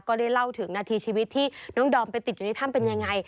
ก็ได้เล่าถึงนาทีชีวิตที่น้องดอมไปติดอยู่ในถ้ำเป็นยังไง